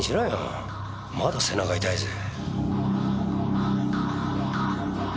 まだ背中痛いぜ。